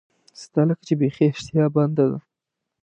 ستا لکه چې بیخي اشتها بنده ده.